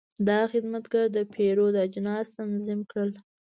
دا خدمتګر د پیرود اجناس تنظیم کړل.